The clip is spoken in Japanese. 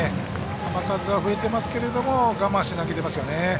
球数は増えていますけど我慢して投げていますよね。